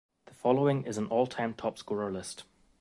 The following is an all-time top-scorer list.